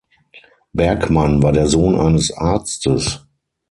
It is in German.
Bergmann war der Sohn eines Arztes.